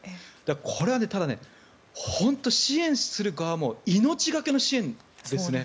これは本当に支援する側も命懸けの支援ですね。